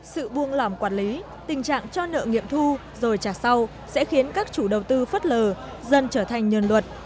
sự buông lỏng quản lý tình trạng cho nợ nghiệm thu rồi trả sau sẽ khiến các chủ đầu tư phớt lờ dần trở thành nhờn luật